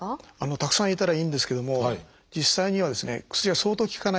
たくさんいたらいいんですけども実際にはですね薬が相当効かないと。